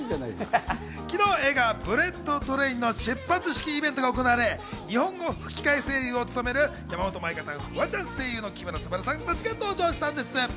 昨日、映画『ブレット・トレイン』の出発式イベントが行われ、日本語吹き替え声優を務める山本舞香さん、フワちゃん、声優の木村昴さんたちが登場したんです。